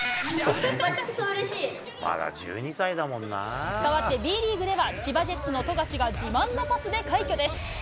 ばちくそうれし変わってＢリーグでは、千葉ジェッツの富樫が自慢のパスで快挙です。